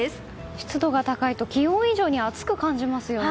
湿度が高いと気温以上に暑く感じますよね。